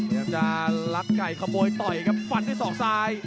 เรียกจากรักไก่ขบโบยต่อยครับฝันที่สอกซาย